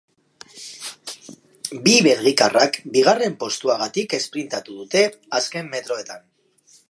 Bi belgikarrak bigarren postuagatik esprintatu dute azken metroetan.